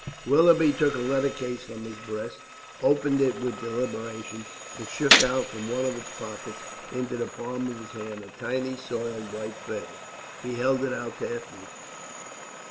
Willoughby took a letter case from his breast, opened it with deliberation, and shook out from one of its pockets into the palm of his hand a tiny, soiled, white feather. He held it out to Ethne.